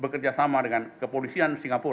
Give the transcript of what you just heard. bekerja sama dengan kepolisian singapura